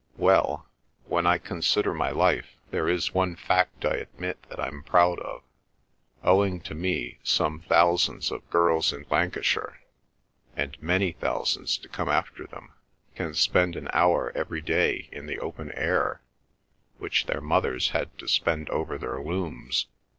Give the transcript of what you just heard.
Well, when I consider my life, there is one fact I admit that I'm proud of; owing to me some thousands of girls in Lancashire—and many thousands to come after them—can spend an hour every day in the open air which their mothers had to spend over their looms.